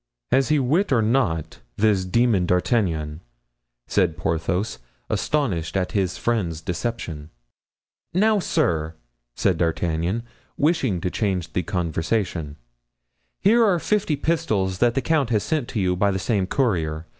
"Has he wit or not—this demon D'Artagnan?" said Porthos, astonished at his friend's deception. "Now, sir," said D'Artagnan, wishing to change the conversation, "here are fifty pistoles that the count has sent you by the same courier.